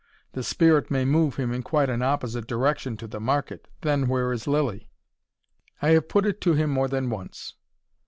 The spirit may move him in quite an opposite direction to the market then where is Lilly? I have put it to him more than once."